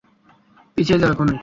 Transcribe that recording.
পিছিয়ে যাও এখনই!